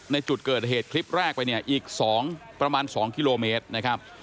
ในจุดเกิดเหตุคลิปแรกไปเนี่ยอีก๒ประมาณ๒กิโลเมตรนะครับ